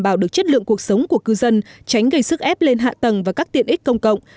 bảo được chất lượng cuộc sống của cư dân tránh gây sức ép lên hạ tầng và các tiện ích công cộng